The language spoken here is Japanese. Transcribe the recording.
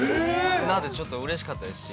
なんでちょっとうれしかった。